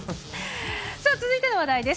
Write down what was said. さあ、続いての話題です。